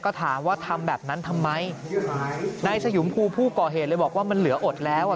ก็ถามว่าทำแบบนั้นทำไมนายสยุมครูผู้ก่อเหตุเลยบอกว่ามันเหลืออดแล้วอ่ะ